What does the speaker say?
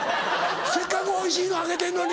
せっかくおいしいのあげてんのに！